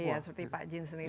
iya seperti pak jin sendiri